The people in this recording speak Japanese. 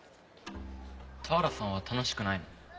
俵さんは楽しくないの？